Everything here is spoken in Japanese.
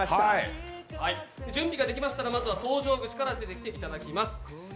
準備ができましたら登場口から出ていただきます。